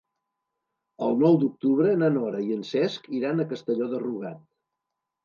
El nou d'octubre na Nora i en Cesc iran a Castelló de Rugat.